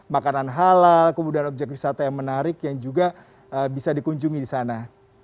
makanan halal kemudian objek wisata yang menarik yang juga bisa dikunjungi di sana